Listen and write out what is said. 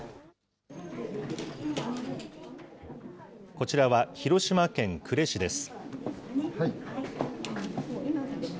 こちらは広島県呉市です。